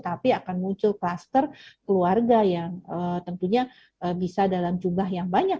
tapi akan muncul kluster keluarga yang tentunya bisa dalam jumlah yang banyak